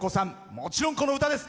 もちろん、この歌です。